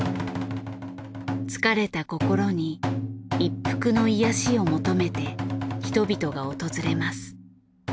疲れた心に一服の癒やしを求めて人々が訪れます。